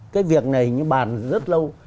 cái việc này như bàn rất lâu